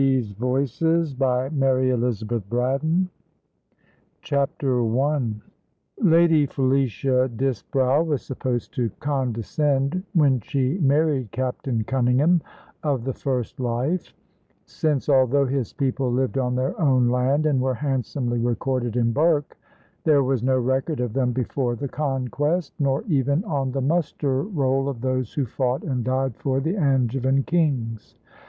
Paternoster Row "BEYOND THESE VOICES" CHAPTER I Lady Felicia Disbrowe was supposed to condescend when she married Captain Cunningham of the first Life since, although his people lived on their own land, and were handsomely recorded in Burke, there was no record of them before the Conquest, nor even on the muster roll of those who fought and died for the Angevin Kings.